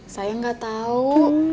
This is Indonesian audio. saya gak tau